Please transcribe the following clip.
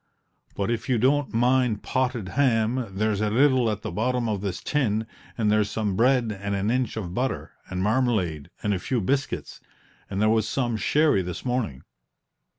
"But, if you don't mind potted ham, there's a little at the bottom of this tin, and there's some bread and an inch of butter, and marmalade, and a few biscuits. And there was some sherry this morning."